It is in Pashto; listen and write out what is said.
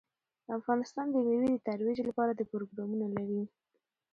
افغانستان د مېوې د ترویج لپاره پروګرامونه لري.